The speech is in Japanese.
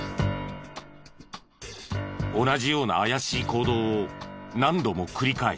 同じような怪しい行動を何度も繰り返す。